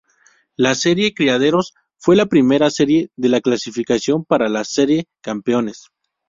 La Serie Criaderos fue la primera serie de clasificación para la Serie Campeones.